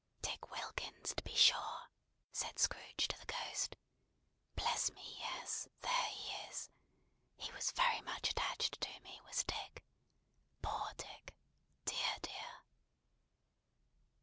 "Dick Wilkins, to be sure!" said Scrooge to the Ghost. "Bless me, yes. There he is. He was very much attached to me, was Dick. Poor Dick! Dear, dear!"